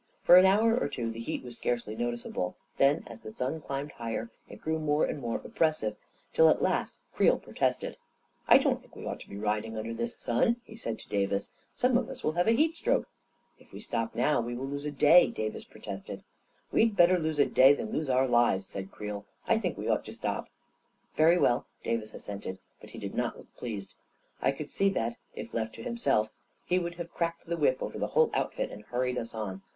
For an hour or two, the heat was scarcely noticeable; then, as the sun climbed higher, it grew more and more oppressive, till at last Creel protested. " I don't think we ought to be riding under this sun," he said to Davis. " Some of us will have a heat stroke." " If we stop now we will lose a day," Davis pro tested. 117 u8 A KING IN BABYLON " We'd better lose a day than lose our lives," said Creel. " I think we ought to stop." " Very well," Davis assented, but he did not look pleased. I could see that, if left to himself, he would have cracked the whip over the whole outfit and hurried us on.